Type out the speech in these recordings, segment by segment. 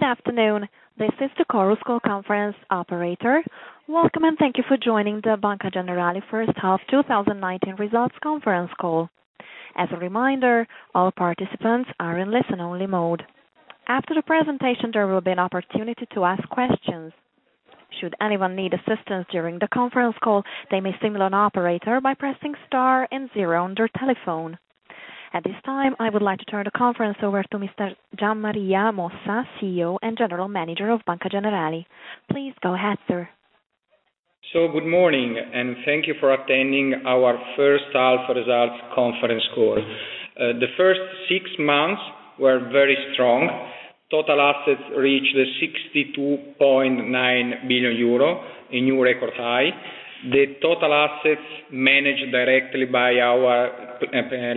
Good afternoon. This is the Chorus Call Conference operator. Welcome, and thank you for joining the Banca Generali First Half 2019 Results Conference Call. As a reminder, all participants are in listen-only mode. After the presentation, there will be an opportunity to ask questions. Should anyone need assistance during the conference call, they may signal an operator by pressing star and zero on their telephone. At this time, I would like to turn the conference over to Mr. Gian Maria Mossa, CEO and General Manager of Banca Generali. Please go ahead, sir. Good morning. Thank you for attending our first half results conference call. The first six months were very strong. Total assets reached 62.9 billion euro, a new record high. The total assets managed directly by our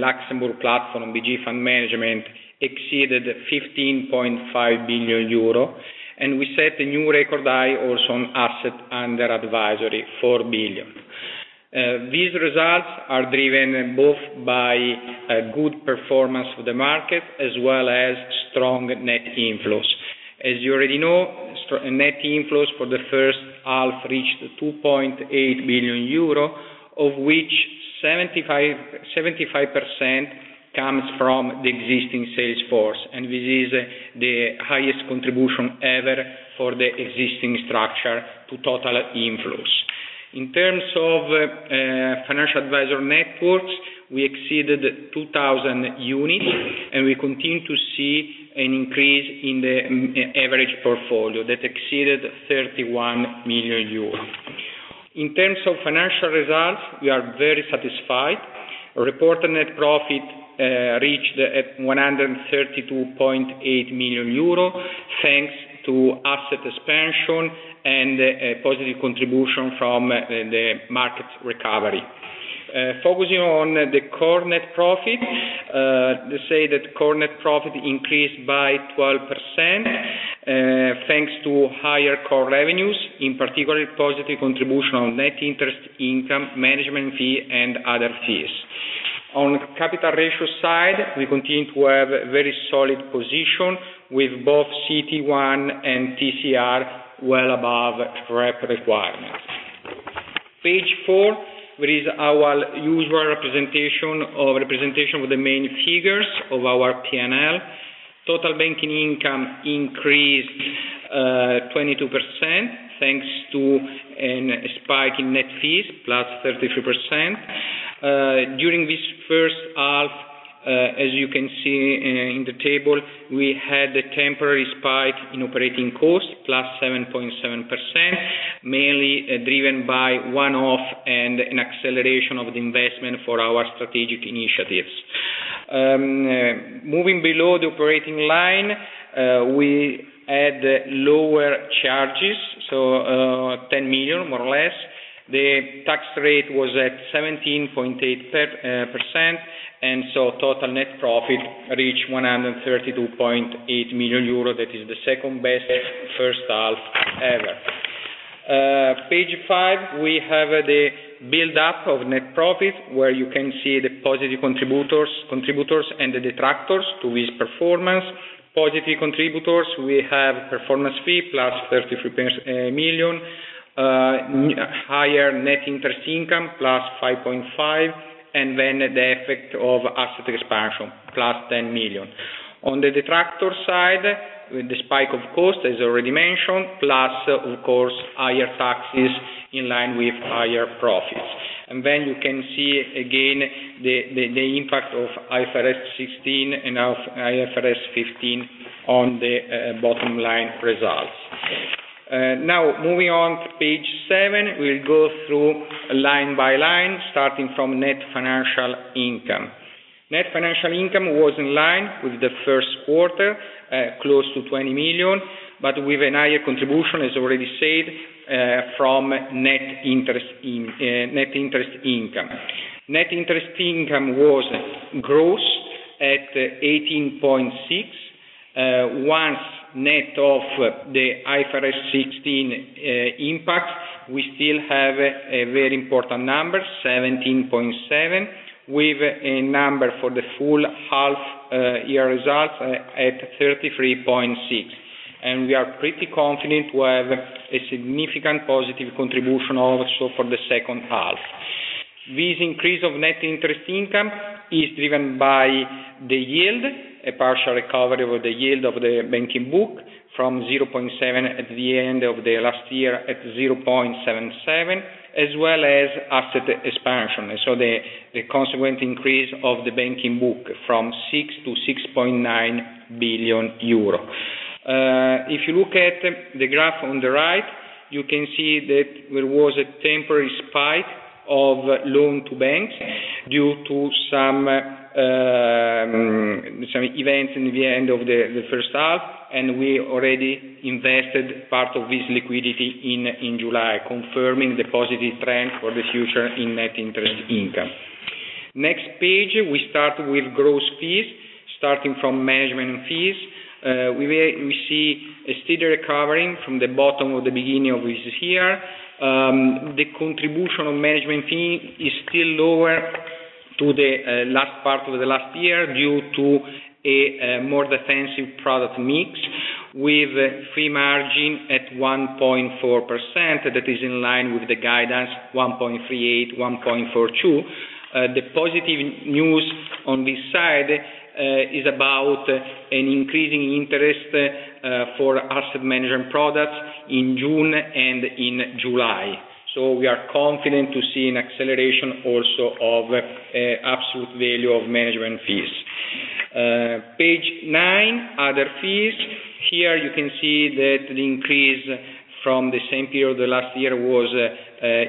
Luxembourg platform, BG Fund Management, exceeded 15.5 billion euro. We set a new record high also on assets under advisory, 4 billion. These results are driven both by good performance of the market as well as strong net inflows. As you already know, net inflows for the first half reached 2.8 billion euro, of which 75% comes from the existing sales force. This is the highest contribution ever for the existing structure to total inflows. In terms of financial advisor networks, we exceeded 2,000 units. We continue to see an increase in the average portfolio that exceeded 31 million euros. In terms of financial results, we are very satisfied. Reported net profit reached 132.8 million euro, thanks to asset expansion and a positive contribution from the market recovery. Focusing on the core net profit, to say that core net profit increased by 12%, thanks to higher core revenues, in particular, positive contribution on net interest income, management fee, and other fees. On capital ratio side, we continue to have very solid position with both CET1 and TCR well above rep requirements. Page four, there is our usual representation of the main figures of our P&L. Total banking income increased 22%, thanks to a spike in net fees, +33%. During this first half, as you can see in the table, we had a temporary spike in operating costs, +7.7%, mainly driven by one-off and an acceleration of the investment for our strategic initiatives. Moving below the operating line, we had lower charges, so 10 million, more or less. The tax rate was at 17.8%. Total net profit reached 132.8 million euros. That is the second-best first half ever. Page five, we have the build-up of net profit, where you can see the positive contributors and the detractors to this performance. Positive contributors, we have performance fee, plus 33 million, higher net interest income, plus 5.5, and then the effect of asset expansion, plus 10 million. On the detractor side, with the spike of costs, as already mentioned, plus of course, higher taxes in line with higher profits. You can see again the impact of IFRS 16 and IFRS 15 on the bottom line results. Moving on to page seven, we'll go through line by line, starting from net financial income. Net financial income was in line with the first quarter, close to 20 million, with a higher contribution, as already said, from net interest income. Net interest income was gross at 18.6. Once net of the IFRS 16 impact, we still have a very important number, 17.7, with a number for the full half year results at 33.6. We are pretty confident we have a significant positive contribution also for the second half. This increase of net interest income is driven by the yield, a partial recovery with the yield of the banking book from 0.7% at the end of the last year at 0.77%, as well as asset expansion, the consequent increase of the banking book from 6 billion to 6.9 billion euro. If you look at the graph on the right, you can see that there was a temporary spike of loan to banks due to some events in the end of the first half. We already invested part of this liquidity in July, confirming the positive trend for the future in net interest income. Next page, we start with gross fees, starting from management fees. We see a steady recovering from the bottom of the beginning of this year. The contribution of management fee is still lower to the last part of the last year due to a more defensive product mix with fee margin at 1.4%. That is in line with the guidance 1.38%-1.42%. The positive news on this side is about an increasing interest for asset management products in June and in July. We are confident to see an acceleration also of absolute value of management fees. Page nine, other fees. Here you can see that the increase from the same period the last year was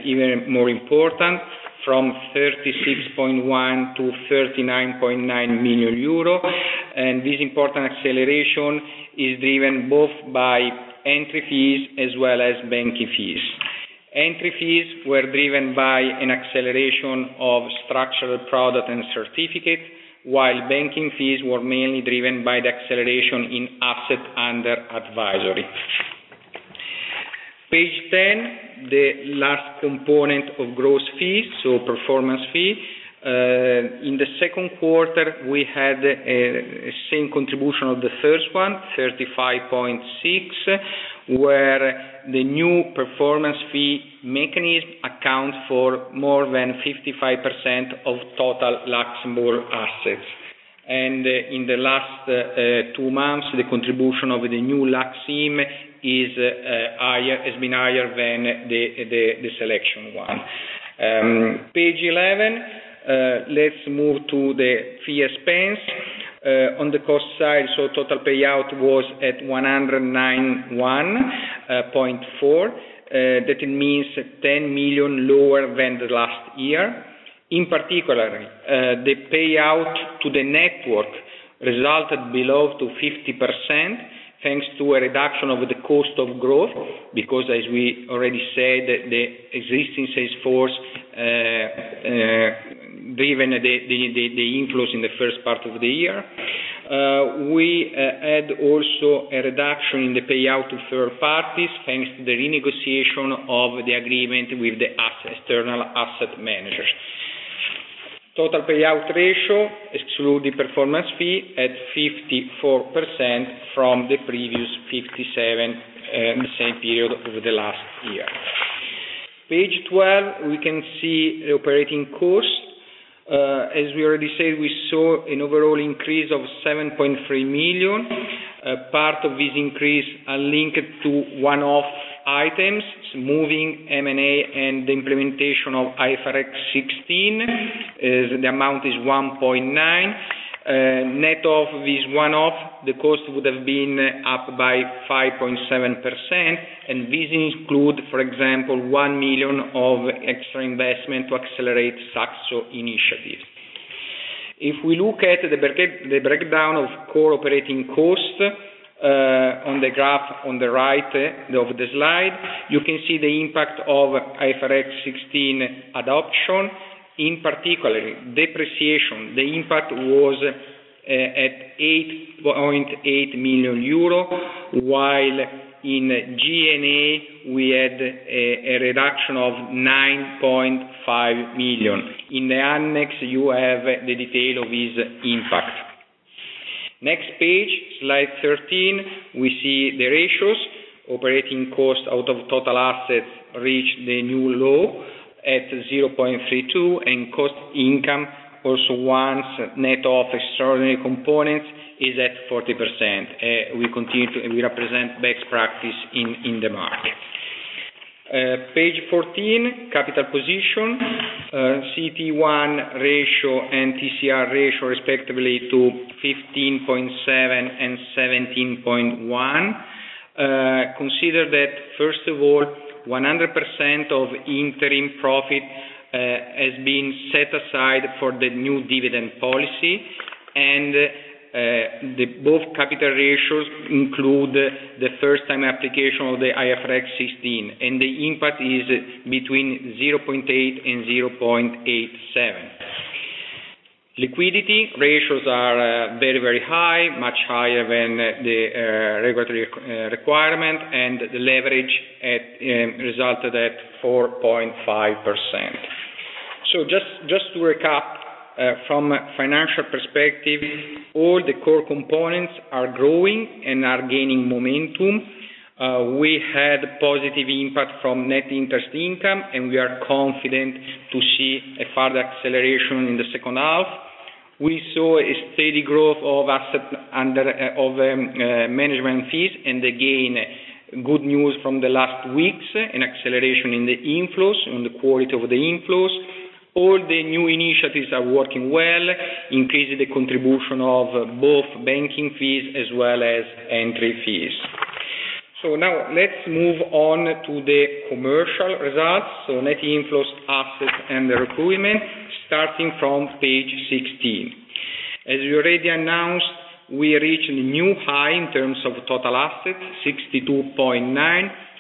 even more important, from 36.1 to 39.9 million euro. This important acceleration is driven both by entry fees as well as banking fees. Entry fees were driven by an acceleration of structured product and certificate, while banking fees were mainly driven by the acceleration in asset under advisory. Page 10, the last component of gross fees, so performance fee. In the second quarter, we had same contribution of the first one, 35.6, where the new performance fee mechanism account for more than 55% of total Luxembourg assets. In the last two months, the contribution of the new Lux IM has been higher than the BG Selection one. Page 11, let's move to the fee expense. On the cost side, so total payout was at 191.4. That means 10 million lower than the last year. In particular, the payout to the network resulted below to 50% thanks to a reduction of the cost of growth. As we already said, the existing sales force driven the inflows in the first part of the year. We had also a reduction in the payout to third parties, thanks to the renegotiation of the agreement with the external asset managers. Total payout ratio exclude the performance fee at 54% from the previous 57% in the same period over the last year. Page 12, we can see the operating cost. As we already said, we saw an overall increase of 7.3 million. Part of this increase are linked to one-off items, moving M&A and the implementation of IFRS 16. The amount is 1.9 million. Net of this one-off, the cost would have been up by 5.7%, this include, for example, 1 million of extra investment to accelerate Saxo initiatives. If we look at the breakdown of core operating cost on the graph on the right of the slide, you can see the impact of IFRS 16 adoption. In particular, depreciation, the impact was at 8.8 million euro, while in G&A, we had a reduction of 9.5 million. In the annex, you have the detail of this impact. Next page, slide 13, we see the ratios. Operating cost out of total assets reached a new low at 0.32, cost income also once net of extraordinary components is at 40%. We represent best practice in the market. Page 14, capital position. CET1 ratio and TCR ratio respectively to 15.7% and 17.1%. Consider that, first of all, 100% of interim profit has been set aside for the new dividend policy, and both capital ratios include the first time application of the IFRS 16, and the impact is between 0.8 and 0.87. Liquidity ratios are very high, much higher than the regulatory requirement, and the leverage resulted at 4.5%. Just to recap, from financial perspective, all the core components are growing and are gaining momentum. We had positive impact from net interest income, and we are confident to see a further acceleration in the second half. We saw a steady growth of asset under management fees, and again, good news from the last weeks, an acceleration in the inflows, on the quality of the inflows. All the new initiatives are working well, increasing the contribution of both banking fees as well as entry fees. Now let's move on to the commercial results. Net inflows, assets, and the recruitment, starting from page 16. As we already announced, we reached a new high in terms of total assets, 62.9.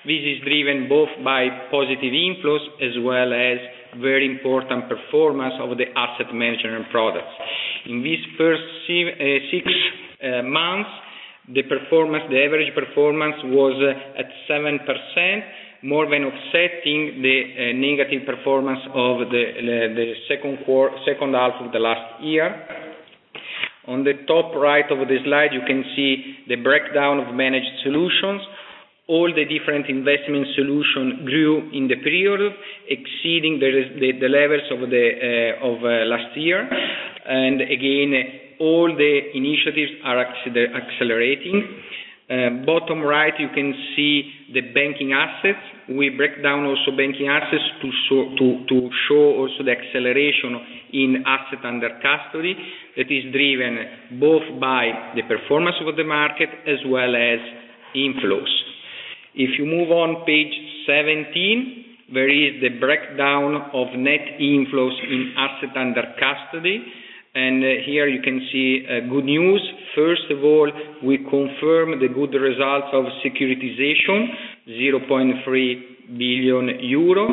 This is driven both by positive inflows as well as very important performance of the asset management products. In this first six months, the average performance was at 7%, more than offsetting the negative performance of the second half of the last year. On the top right of the slide, you can see the breakdown of managed solutions. All the different investment solution grew in the period, exceeding the levels of last year. Again, all the initiatives are accelerating. Bottom right, you can see the banking assets. We break down also banking assets to show also the acceleration in asset under custody that is driven both by the performance of the market as well as inflows. If you move on page 17, there is the breakdown of net inflows in asset under custody, and here you can see good news. First of all, we confirm the good results of securitization, 0.3 billion euro,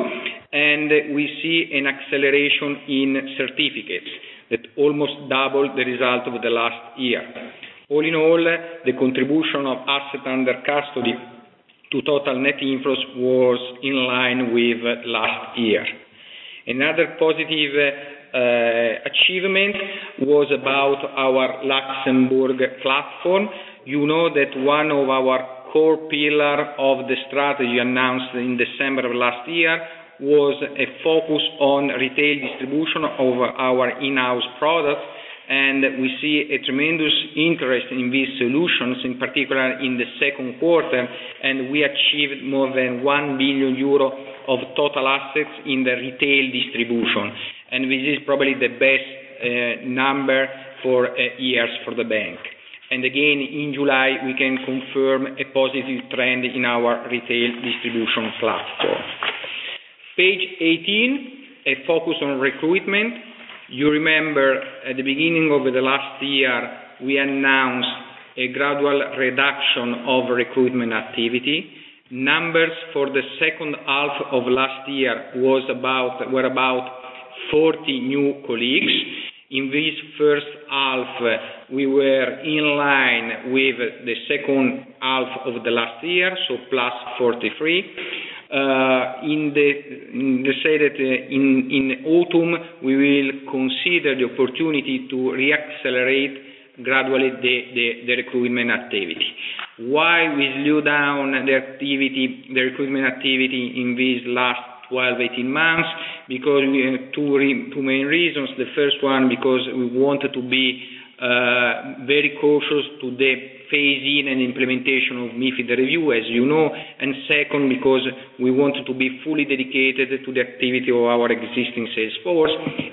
and we see an acceleration in certificates that almost double the result of the last year. All in all, the contribution of asset under custody to total net inflows was in line with last year. Another positive achievement was about our Luxembourg platform. You know that one of our core pillar of the strategy announced in December of last year was a focus on retail distribution of our in-house product. We see a tremendous interest in these solutions, in particular in the second quarter, and we achieved more than 1 billion euro of total assets in the retail distribution. This is probably the best number for years for the bank. Again, in July, we can confirm a positive trend in our retail distribution platform. Page 18, a focus on recruitment. You remember at the beginning of the last year, we announced a gradual reduction of recruitment activity. Numbers for the second half of last year were about 40 new colleagues. In this first half, we were in line with the second half of the last year, so plus 43. In autumn, we will consider the opportunity to re-accelerate gradually the recruitment activity. Why we slow down the recruitment activity in this last 12, 18 months? Two main reasons. The first one, because we wanted to be very cautious to the phase-in and implementation of MiFID II, as you know. Second, because we wanted to be fully dedicated to the activity of our existing sales force,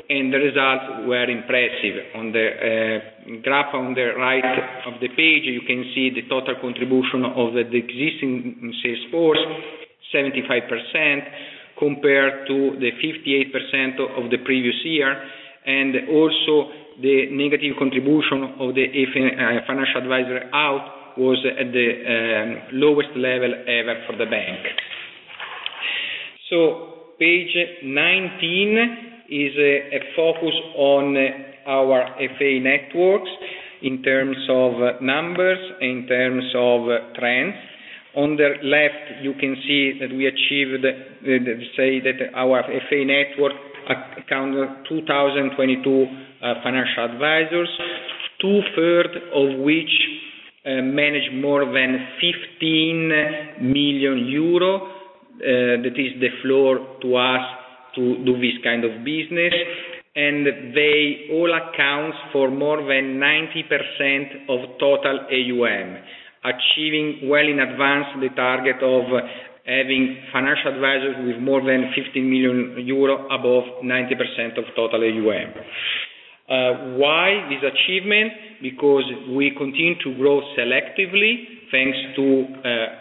and the results were impressive. On the graph on the right of the page, you can see the total contribution of the existing sales force, 75%, compared to the 58% of the previous year. Also the negative contribution of the financial advisor out was at the lowest level ever for the bank. Page 19 is a focus on our FA networks in terms of numbers, in terms of trends. On the left, you can see that we achieved our FA network account 2,022 financial advisors, two-thirds of which manage more than 15 million euro. That is the floor to us to do this kind of business. They all account for more than 90% of total AUM, achieving well in advance the target of having financial advisors with more than 15 million euro above 90% of total AUM. Why this achievement? We continue to grow selectively, thanks to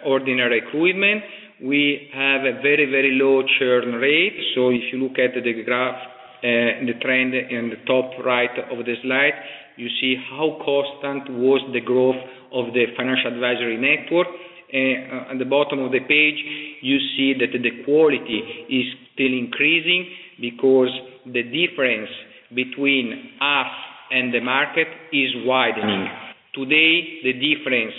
ordinary recruitment. We have a very low churn rate. If you look at the graph, the trend in the top right of the slide, you see how constant was the growth of the financial advisory network. On the bottom of the page, you see that the quality is still increasing because the difference between us and the market is widening. Today, the difference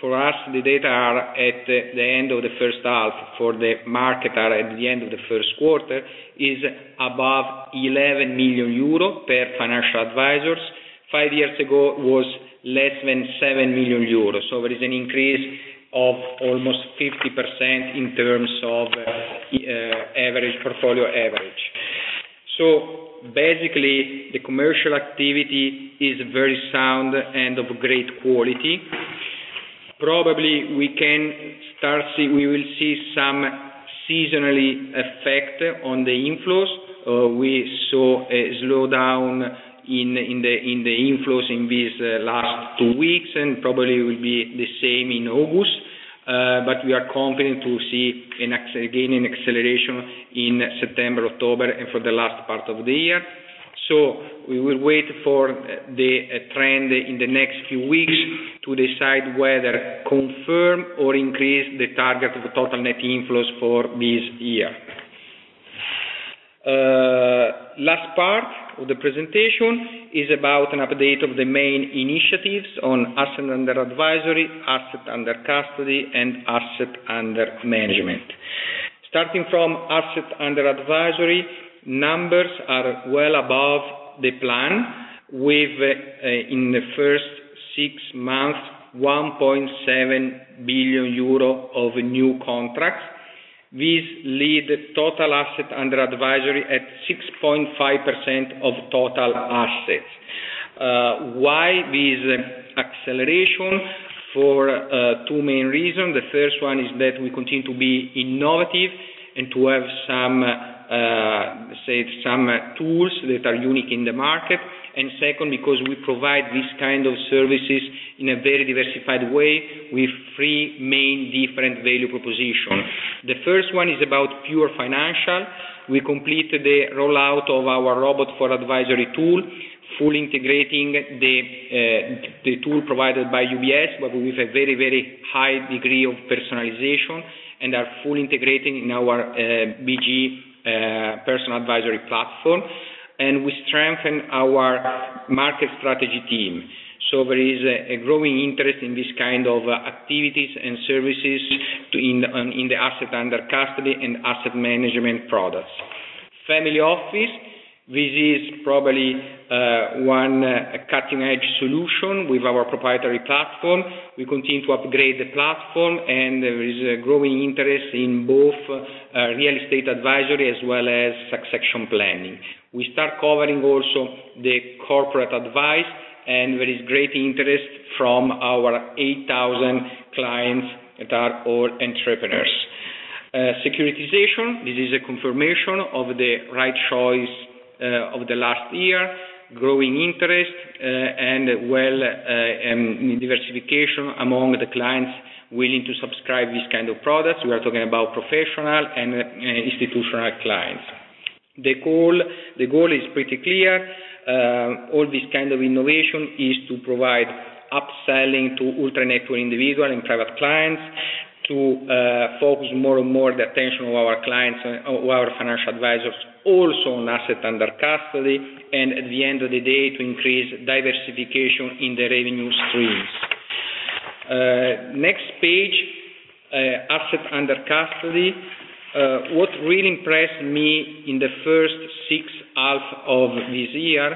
for us, the data are at the end of the first half for the market are at the end of the first quarter, is above 11 million euro per financial advisors. Five years ago, it was less than 7 million euro. There is an increase of almost 50% in terms of average portfolio. Basically, the commercial activity is very sound and of great quality. Probably we will see some seasonal effect on the inflows. We saw a slowdown in the inflows in these last two weeks, and probably will be the same in August. We are confident to see, again, an acceleration in September, October, and for the last part of the year. We will wait for the trend in the next few weeks to decide whether confirm or increase the target of total net inflows for this year. Last part of the presentation is about an update of the main initiatives on assets under advisory, assets under custody, and assets under management. Starting from assets under advisory, numbers are well above the plan with, in the first six months, 1.7 billion euro of new contracts. This lead total asset under advisory at 6.5% of total assets. Why this acceleration? For two main reasons. The first one is that we continue to be innovative and to have some tools that are unique in the market, and second, because we provide these kind of services in a very diversified way with three main different value propositions. The first one is about pure financial. We completed the rollout of our Ro4Ad, fully integrating the tool provided by UBS, but with a very high degree of personalization, and are fully integrating in our BG Personal Advisory platform. We strengthen our market strategy team. There is a growing interest in this kind of activities and services in the asset under custody and asset management products. Family office. This is probably one cutting-edge solution with our proprietary platform. We continue to upgrade the platform, and there is a growing interest in both real estate advisory as well as succession planning. We start covering also the corporate advice, and there is great interest from our 8,000 clients that are all entrepreneurs. Securitization. This is a confirmation of the right choice of the last year, growing interest, and diversification among the clients willing to subscribe these kind of products. We are talking about professional and institutional clients. The goal is pretty clear. All this kind of innovation is to provide upselling to ultra-net worth individual and private clients to focus more and more the attention of our clients and our financial advisors also on asset under custody, and at the end of the day, to increase diversification in the revenue streams. Next page, asset under custody. What really impressed me in the first six half of this year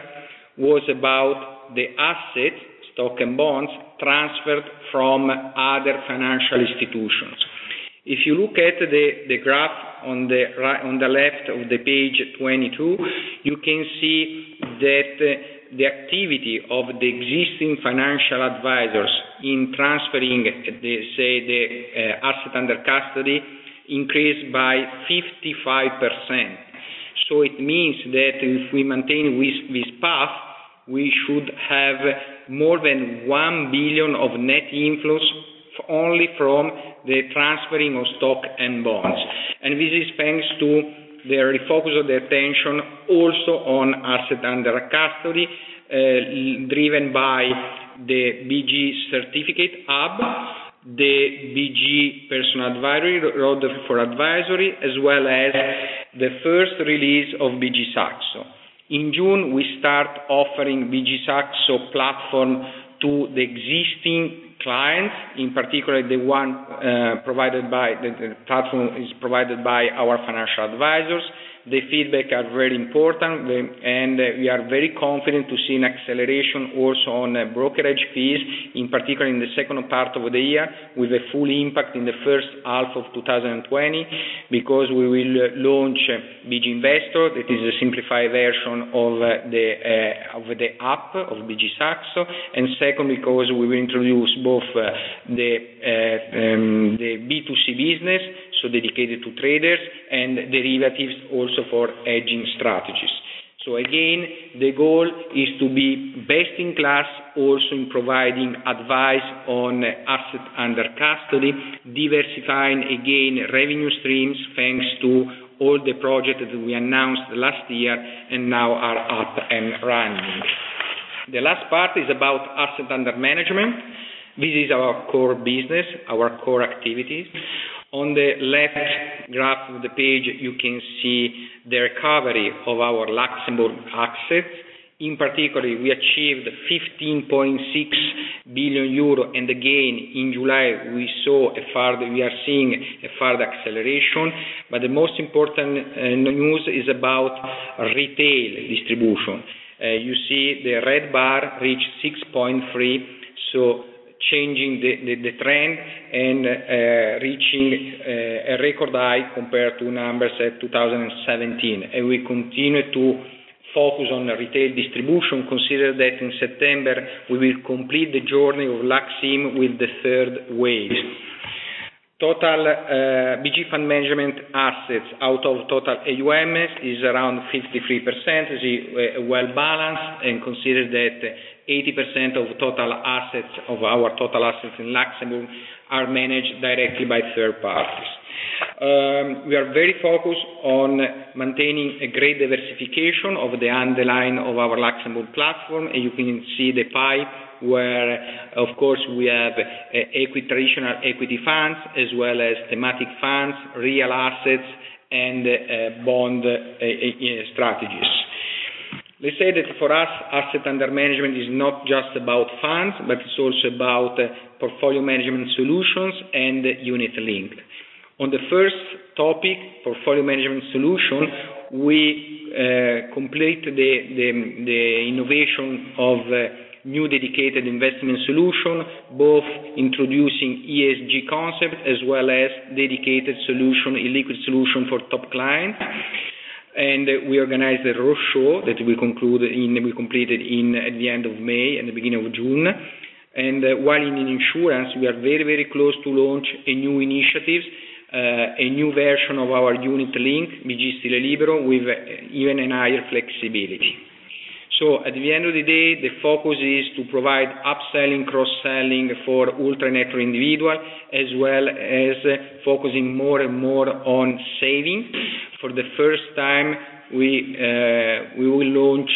was about the asset, stock, and bonds transferred from other financial institutions. If you look at the graph on the left of the page 22, you can see that the activity of the existing financial advisors in transferring, let's say, the asset under custody increased by 55%. It means that if we maintain this path, we should have more than 1 billion of net inflows only from the transferring of stock and bonds. This is thanks to the refocus of the attention also on asset under custody, driven by the BG Certificate Hub, the BG Personal Advisory, Ro4Ad, as well as the first release of BG SAXO. In June, we start offering BG SAXO platform to the existing clients, in particular the one platform is provided by our financial advisors. The feedback are very important, and we are very confident to see an acceleration also on brokerage fees, in particular in the second part of the year with a full impact in the first half of 2020, because we will launch BG SAXO Investor. That is a simplified version of the app of BG SAXO, and second, because we will introduce both the B2C business, so dedicated to traders, and derivatives also for hedging strategies. Again, the goal is to be best in class also in providing advice on asset under custody, diversifying, again, revenue streams, thanks to all the projects that we announced last year and now are up and running. The last part is about asset under management. This is our core business, our core activities. On the left graph of the page, you can see the recovery of our Luxembourg assets. In particular, we achieved 15.6 billion euro, again, in July, we are seeing a further acceleration. The most important news is about retail distribution. You see the red bar reach 6.3, changing the trend and reaching a record high compared to numbers at 2017. We continue to focus on the retail distribution, consider that in September we will complete the journey of Lux IM with the third wave. Total BG Fund Management assets out of total AUM is around 53%, well-balanced, consider that 80% of our total assets in Luxembourg are managed directly by third parties. We are very focused on maintaining a great diversification of the underlying of our Luxembourg platform. You can see the pie where, of course, we have traditional equity funds as well as thematic funds, real assets, and bond strategies. Let's say that for us, asset under management is not just about funds, but it's also about portfolio management solutions and unit link. On the first topic, portfolio management solution, we completed the innovation of new dedicated investment solution, both introducing ESG concept as well as dedicated illiquid solution for top client. We organized a roadshow that we completed at the end of May and the beginning of June. While in insurance, we are very close to launch a new initiatives, a new version of our unit link, BG Stile Libero, with even higher flexibility. At the end of the day, the focus is to provide upselling, cross-selling for ultra-net-worth individual, as well as focusing more and more on saving. For the first time, we will launch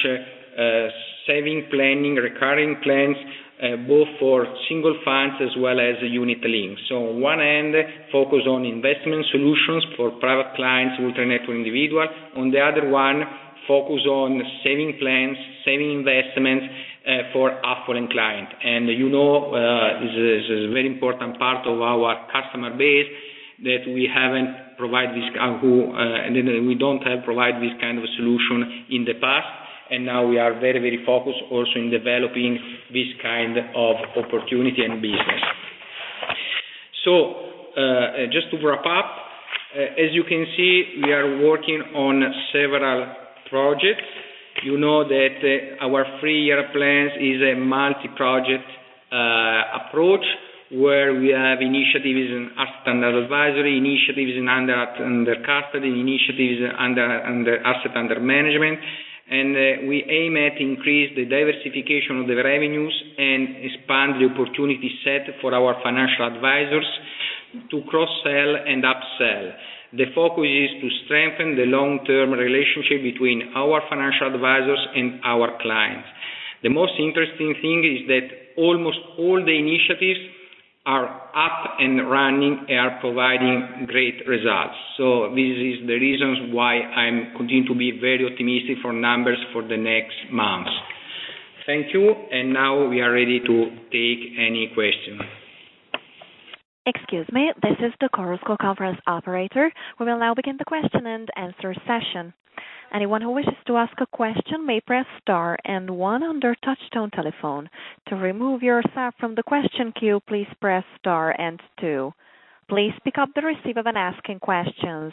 saving planning, recurring plans, both for single funds as well as unit link. On one end, focus on investment solutions for private clients, ultra network individual. On the other one, focus on saving plans, saving investments for affluent client. You know, this is a very important part of our customer base that we don't have provided this kind of solution in the past. Now we are very focused also on developing this kind of opportunity and business. Just to wrap up, as you can see, we are working on several projects. You know that our three-year plans is a multi-project approach, where we have initiatives in asset under advisory, initiatives under custody, initiatives under asset under management. We aim at increase the diversification of the revenues and expand the opportunity set for our financial advisors to cross-sell and up-sell. The focus is to strengthen the long-term relationship between our financial advisors and our clients. The most interesting thing is that almost all the initiatives are up and running and are providing great results. This is the reasons why I'm continuing to be very optimistic for numbers for the next months. Thank you. Now we are ready to take any question. Excuse me, this is the Chorus Call conference operator. We will now begin the question-and-answer session. Anyone who wishes to ask a question may press star and one on their touchtone telephone. To remove yourself from the question queue, please press star and two. Please pick up the receiver when asking questions.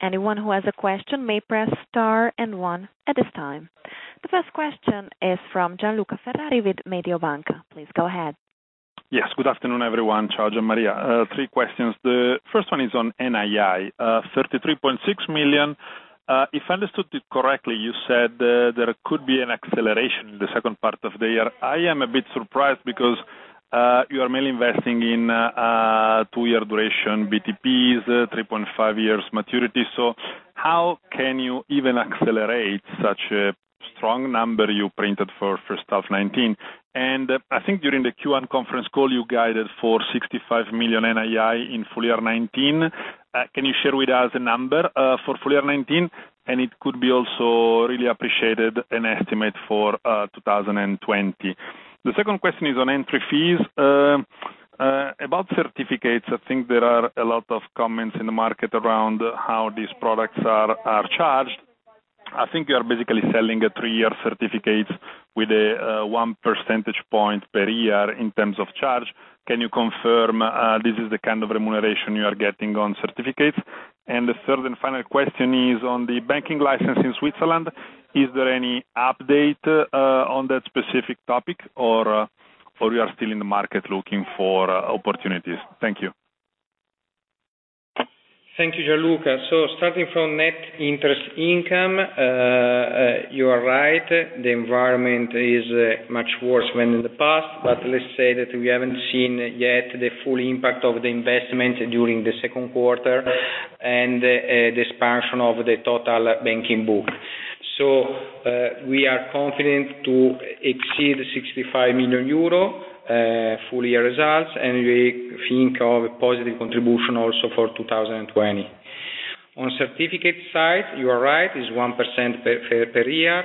Anyone who has a question may press star and one at this time. The first question is from Gianluca Ferrari with Mediobanca. Please go ahead. Yes. Good afternoon, everyone. Ciao, Gian Maria. Three questions. The first one is on NII. 33.6 million. If I understood it correctly, you said there could be an acceleration in the second part of the year. I am a bit surprised because you are mainly investing in two-year duration BTPs, 3.5 years maturity. How can you even accelerate such a strong number you printed for first half 2019? I think during the Q1 conference call, you guided for 65 million NII in full year 2019. Can you share with us the number for full year 2019? It could be also really appreciated an estimate for 2020. The second question is on entry fees. About certificates, I think there are a lot of comments in the market around how these products are charged. I think you are basically selling a three-year certificate with a one percentage point per year in terms of charge. Can you confirm this is the kind of remuneration you are getting on certificates? The third and final question is on the banking license in Switzerland. Is there any update on that specific topic, or you are still in the market looking for opportunities? Thank you. Thank you, Gianluca. Starting from net interest income, you are right, the environment is much worse than in the past. Let's say that we haven't seen yet the full impact of the investment during the second quarter and the expansion of the total banking book. We are confident to exceed 65 million euro full year results, and we think of a positive contribution also for 2020. On certificate side, you are right, it's 1% per year.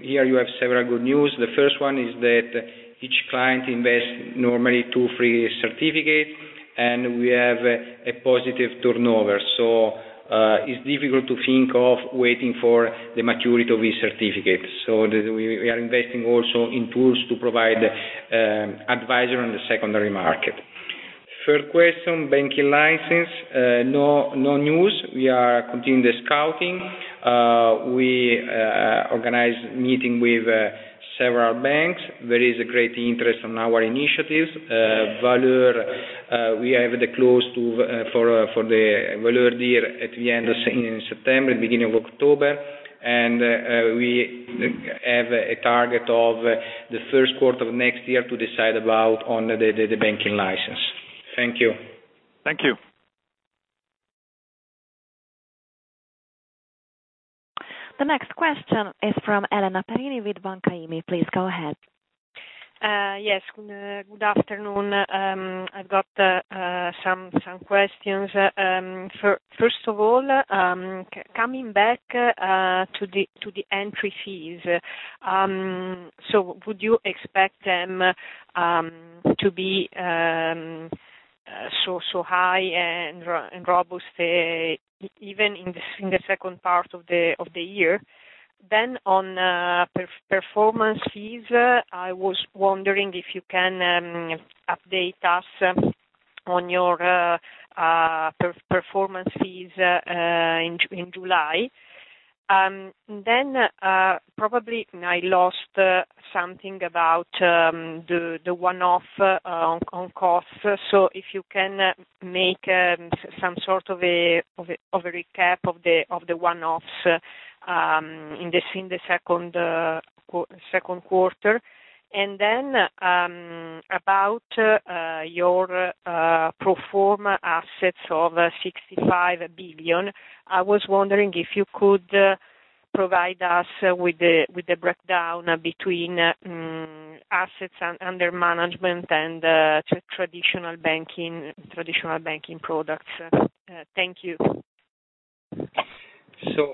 Here you have several good news. The first one is that each client invests normally two, three certificate, and we have a positive turnover. It's difficult to think of waiting for the maturity of the certificate. We are investing also in tools to provide advisor on the secondary market. Third question, banking license. No news. We are continuing the scouting. We organized meeting with several banks. There is a great interest on our initiatives. We have the close for the valuation year at the end of September, beginning of October. We have a target of the first quarter of next year to decide about on the banking license. Thank you. Thank you. The next question is from Elena Perini with Banca IMI. Please go ahead. Yes. Good afternoon. I've got some questions. First of all, coming back to the entry fees. Would you expect them to be so high and robust, even in the second part of the year? On performance fees, I was wondering if you can update us on your performance fees in July. Probably I lost something about the one-off on cost. If you can make some sort of a recap of the one-offs in the second quarter. About your pro forma assets of 65 billion, I was wondering if you could provide us with the breakdown between assets under management and traditional banking products. Thank you.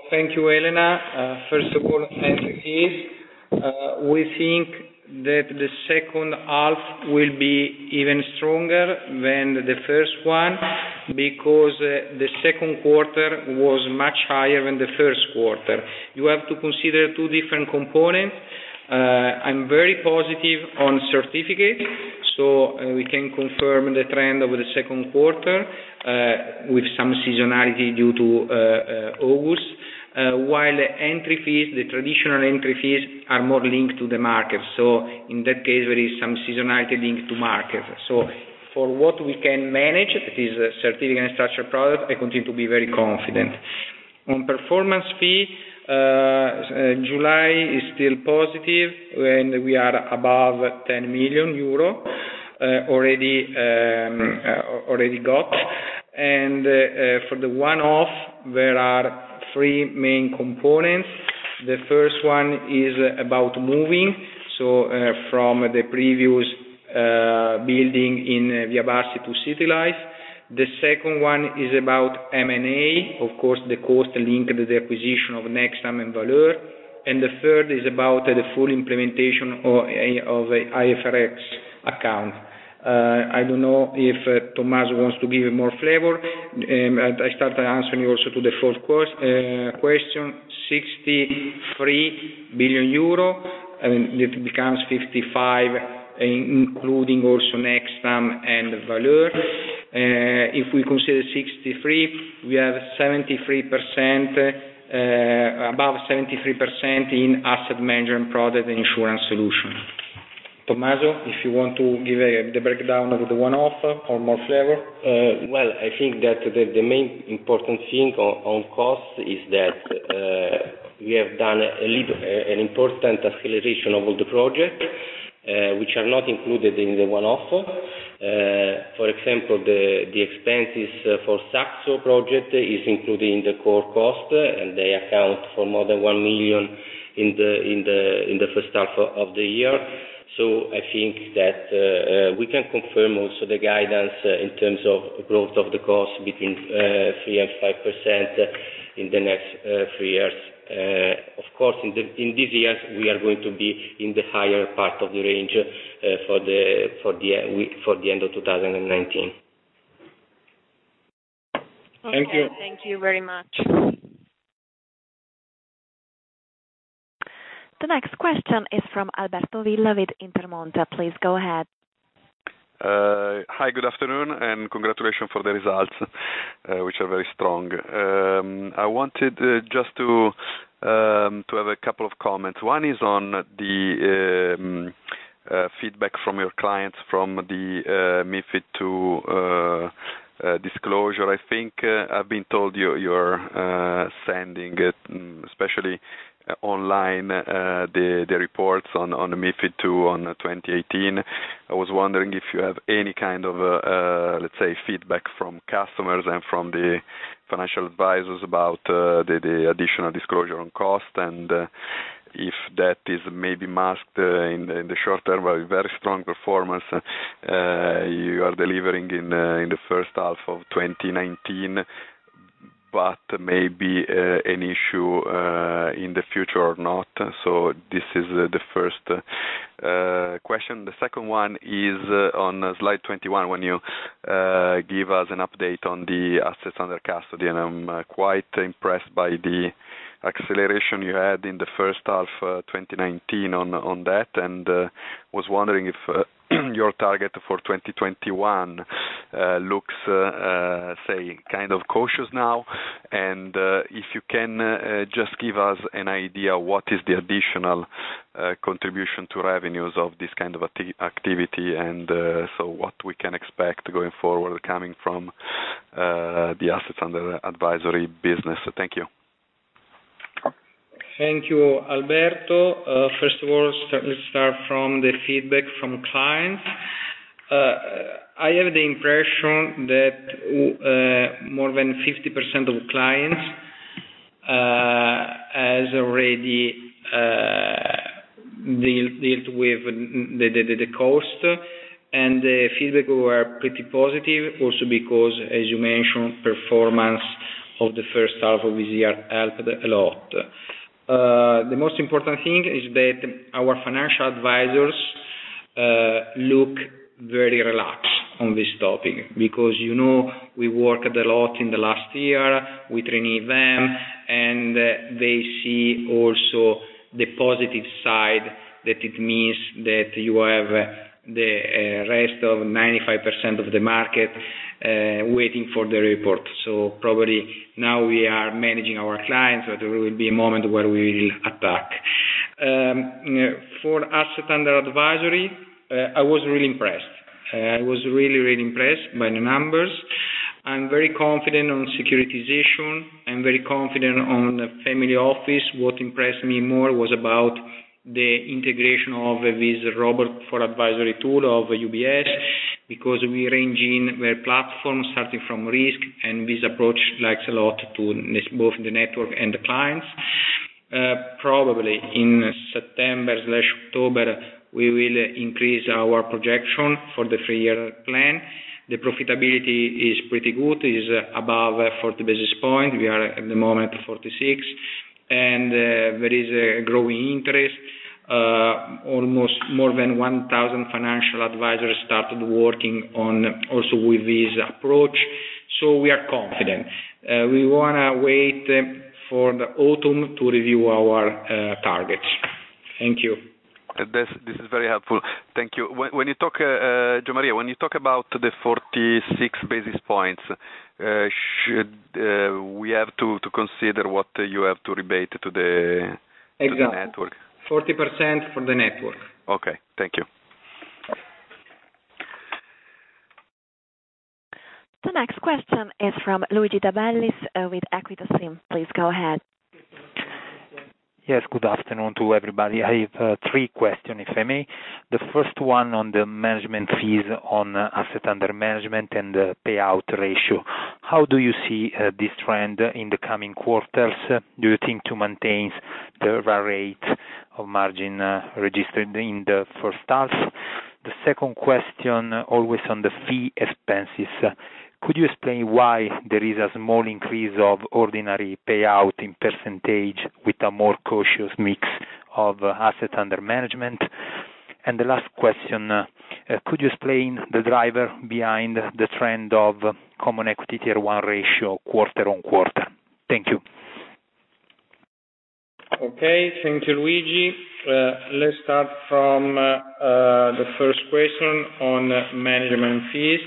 Thank you, Elena. First of all, on entry fees, we think that the second half will be even stronger than the first one, because the second quarter was much higher than the first quarter. You have to consider two different components. I'm very positive on certificate, so we can confirm the trend over the second quarter, with some seasonality due to August, while the traditional entry fees are more linked to the market. In that case, there is some seasonality linked to market. For what we can manage, that is certificate and structured product, I continue to be very confident. On performance fee, July is still positive, and we are above 10 million euro, already got. For the one-off, there are three main components. The first one is about moving. From the previous building in Via Bassi to CityLife. The second one is about M&A, of course, the cost linked to the acquisition of Nextam and Valeur. The third is about the full implementation of IFRS account. I don't know if Tommaso wants to give more flavor. I start answering you also to the fourth question, 63 billion euro, it becomes 55 billion including also Nextam and Valeur. If we consider 63 billion, we have above 73% in asset management product and insurance solution. Tommaso, if you want to give the breakdown of the one-off or more flavor. Well, I think that the most important thing on costs is that we have done an important acceleration of the projects, which are not included in the one-off. For example, the expenses for Saxo project is included in the core costs, and they account for more than 1 million in the first half of the year. I think that we can confirm also the guidance in terms of growth of the costs between 3% and 5% in the next three years. Of course, in these years, we are going to be in the higher part of the range, for the end of 2019. Thank you. Okay. Thank you very much. The next question is from Alberto Villa with Intermonte. Please go ahead. Hi, good afternoon. Congratulations for the results, which are very strong. I wanted just to have a couple of comments. One is on the feedback from your clients, from the MiFID II disclosure. I think I've been told you're sending, especially online, the reports on MiFID II on 2018. I was wondering if you have any kind of, let's say, feedback from customers and from the financial advisors about the additional disclosure on cost, and if that is maybe masked in the short term by very strong performance you are delivering in the first half of 2019, but may be an issue in the future or not. This is the first question. The second one is on slide 21 when you give us an update on the assets under custody, and I'm quite impressed by the acceleration you had in the first half 2019 on that, and was wondering if your target for 2021 looks cautious now. If you can just give us an idea what is the additional contribution to revenues of this kind of activity, and so what we can expect going forward coming from the assets under advisory business. Thank you. Thank you, Alberto. First of all, let's start from the feedback from clients. I have the impression that more than 50% of clients has already dealt with the cost. The feedback were pretty positive also because, as you mentioned, performance of the first half of this year helped a lot. The most important thing is that our financial advisors look very relaxed on this topic, because we worked a lot in the last year with training them. They see also the positive side, that it means that you have the rest of 95% of the market waiting for the report. Probably now we are managing our clients, but there will be a moment where we will attack. For asset under advisory, I was really impressed. I was really impressed by the numbers. I'm very confident on securitization. I'm very confident on the family office. What impressed me more was about the integration of this robot for advisory tool of UBS, because we range in their platform, starting from risk, and this approach likes a lot to both the network and the clients. Probably in September/October, we will increase our projection for the three-year plan. The profitability is pretty good, is above 40 basis points. We are at the moment 46, and there is a growing interest. Almost more than 1,000 financial advisors started working also with this approach. We are confident. We want to wait for the autumn to review our targets. Thank you. This is very helpful. Thank you. Gian Maria, when you talk about the 46 basis points, should we have to consider what you have to rebate to the network? Exactly. 40% for the network. Okay. Thank you. The next question is from Luigi De Bellis with EQUITA SIM. Please go ahead. Yes. Good afternoon to everybody. I have three questions, if I may. The first one on the management fees on assets under management and payout ratio. How do you see this trend in the coming quarters? Do you think to maintain the rate of margin registered in the first half? The second question, always on the fee expenses. Could you explain why there is a small increase of ordinary payout in percentage with a more cautious mix of assets under management? The last question, could you explain the driver behind the trend of common equity Tier 1 ratio quarter-on-quarter? Thank you. Okay. Thank you, Luigi. Let's start from the first question on management fees.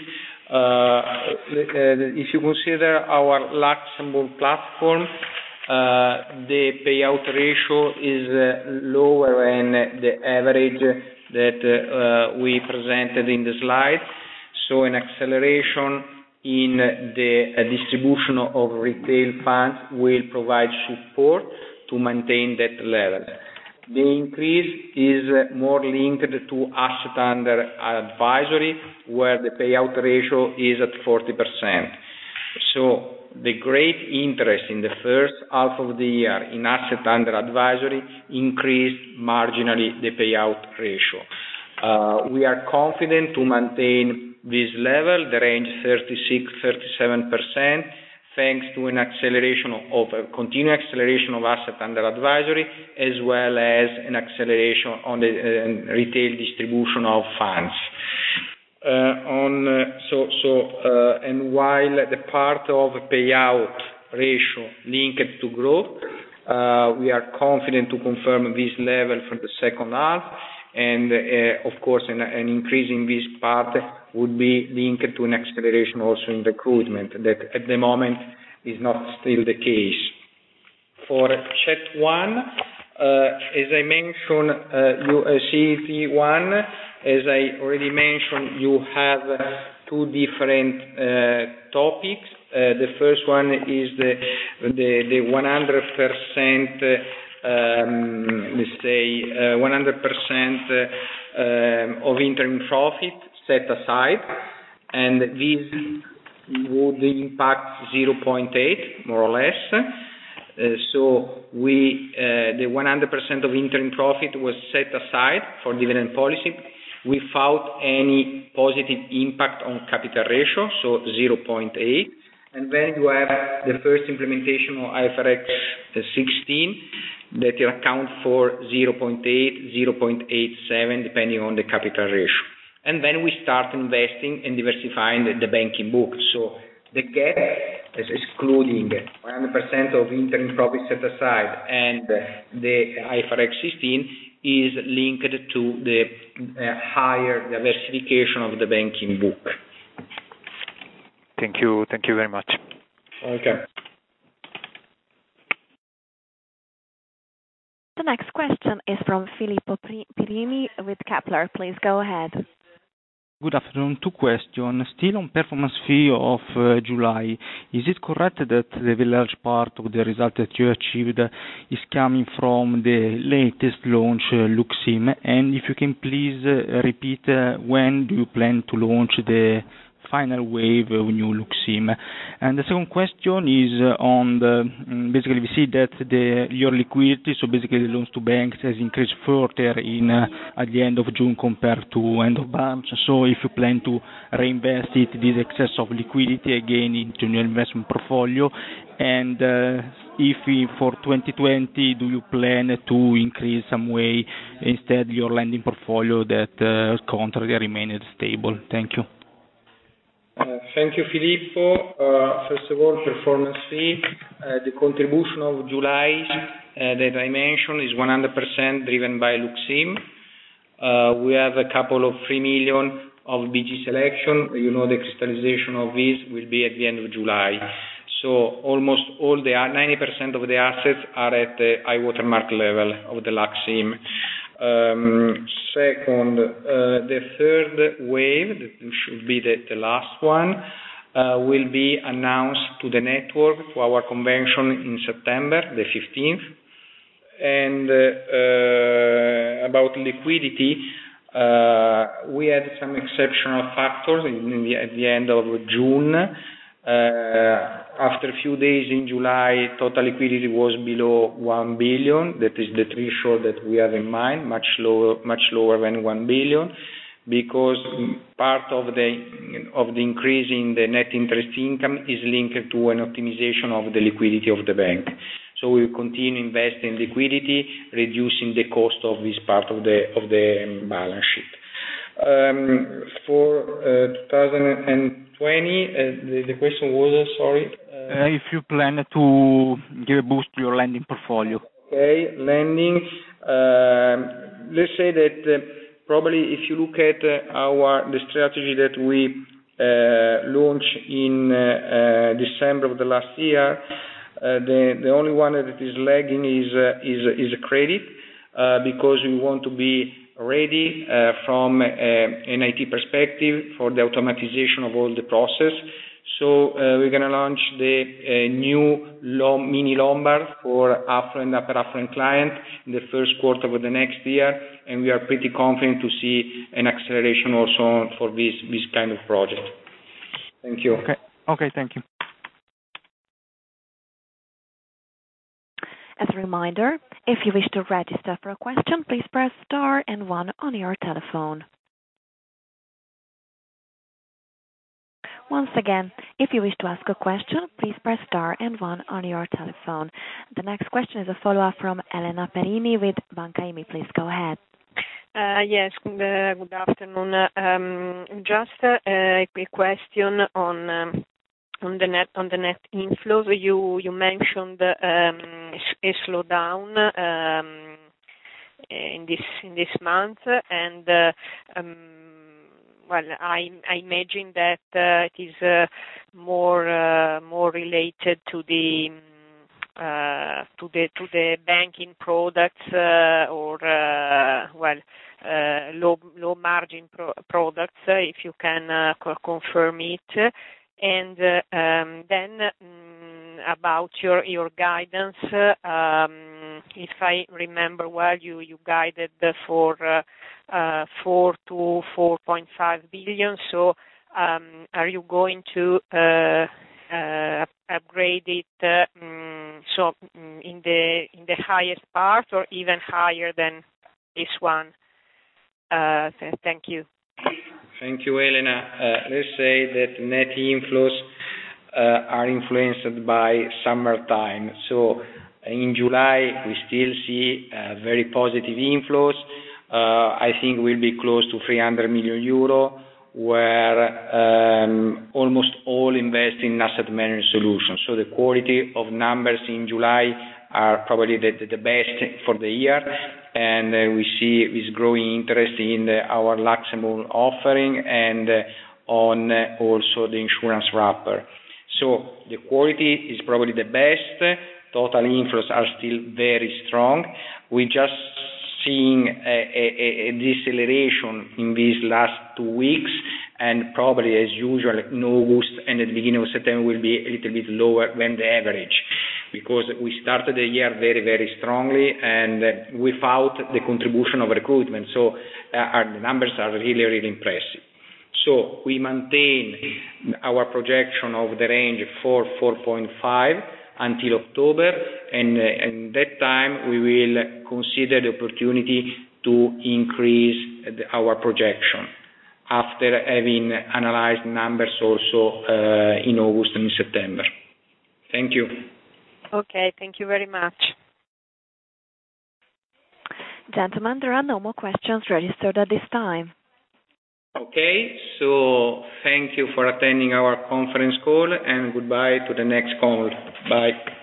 If you consider our Luxembourg platform, the payout ratio is lower than the average that we presented in the slide. An acceleration in the distribution of retail funds will provide support to maintain that level. The increase is more linked to asset under advisory, where the payout ratio is at 40%. The great interest in the first half of the year in asset under advisory increased marginally the payout ratio. We are confident to maintain this level, the range 36%, 37%, thanks to a continued acceleration of asset under advisory, as well as an acceleration on the retail distribution of funds. While the part of payout ratio linked to growth, we are confident to confirm this level for the second half, and of course, an increase in this part would be linked to an acceleration also in recruitment, that at the moment is not still the case. For CET1, as I already mentioned, you have two different topics. The first one is the 100%, let's say, 100% of interim profit set aside, and this would impact 0.8 more or less. The 100% of interim profit was set aside for dividend policy without any positive impact on capital ratio, so 0.8. Then you have the first implementation of IFRS 16, that account for 0.8, 0.87, depending on the capital ratio. Then we start investing in diversifying the banking book. The gap is excluding 100% of interim profit set aside, and the IFRS 16 is linked to the higher diversification of the banking book. Thank you. Thank you very much. Okay. The next question is from Filippo Prini with Kepler. Please go ahead. Good afternoon. Two question. Still on performance fee of July. Is it correct that the large part of the result that you achieved is coming from the latest launch, Lux IM? If you can please repeat, when do you plan to launch the final wave of new Lux IM? The second question is on basically we see that your liquidity, so basically the loans to banks, has increased further at the end of June compared to end of March. If you plan to reinvest it, this excess of liquidity, again into your investment portfolio. If for 2020, do you plan to increase some way instead your lending portfolio that contrary remained stable? Thank you. Thank you, Filippo. First of all, performance fee. The contribution of July that I mentioned is 100% driven by Lux IM. We have a couple of three million of BG Selection. You know, the crystallization of this will be at the end of July. Almost all the 90% of the assets are at the high-water mark level of the Lux IM. Second. The third wave, which should be the last one, will be announced to the network, to our convention in September the 15th. About liquidity, we had some exceptional factors at the end of June. After a few days in July, total liquidity was below 1 billion. That is the threshold that we have in mind, much lower than 1 billion. Part of the increase in the net interest income is linked to an optimization of the liquidity of the bank. We will continue investing in liquidity, reducing the cost of this part of the balance sheet. For 2020, the question was, sorry? If you plan to give a boost to your lending portfolio. Okay. Lendings. Let's say that probably if you look at the strategy that we launched in December of the last year, the only one that is lagging is credit, because we want to be ready from an IT perspective for the automatization of all the process. We're going to launch the new mini Lombard for affluent client in the first quarter of the next year, and we are pretty confident to see an acceleration also for this kind of project. Thank you. Okay. Thank you. As a reminder, if you wish to register for a question, please press star and one on your telephone. Once again, if you wish to ask a question, please press star and one on your telephone. The next question is a follow-up from Elena Perini with Banca IMI. Please go ahead. Yes. Good afternoon. Just a quick question on the net inflows. You mentioned a slowdown in this month. I imagine that it is more related to the banking products or low margin products, if you can confirm it. About your guidance. If I remember well, you guided for 4 billion-4.5 billion. Are you going to upgrade it in the highest part or even higher than this one? Thank you. Thank you, Elena. Let's say that net inflows are influenced by summertime. In July, we still see very positive inflows. I think we'll be close to 300 million euro, where almost all invest in asset management solutions. The quality of numbers in July are probably the best for the year. We see is growing interest in our Luxembourg offering and on also the insurance wrapper. The quality is probably the best. Total inflows are still very strong. We're just seeing a deceleration in these last two weeks, and probably as usual, in August and the beginning of September will be a little bit lower than the average. Because we started the year very, very strongly and without the contribution of recruitment. Our numbers are really, really impressive. We maintain our projection of the range of four, 4.5 until October, and that time we will consider the opportunity to increase our projection after having analyzed numbers also in August and September. Thank you. Okay. Thank you very much. Gentlemen, there are no more questions registered at this time. Okay, thank you for attending our conference call, and goodbye to the next call. Bye.